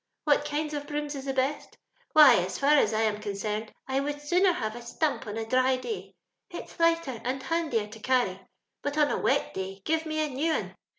What kinds of brooms is the best ? Why, as far as I am con cerned, I would sooner have a stump on a diy day — it's lighter and handier to carry ; but on a wet day, give me a new un.